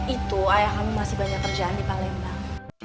itu ayah kami masih banyak kerjaan di palembang